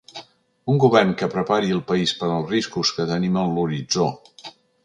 Un govern que prepari el país per als riscos que tenim en l’horitzó.